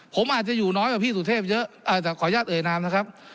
ผมอาจจะอยู่น้อยกว่าพี่สุเทพเยอะแต่ขออนุญาตเอ่ยนามนะครับ